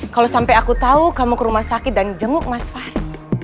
kalau sampai aku tahu kamu ke rumah sakit dan jenguk mas fahri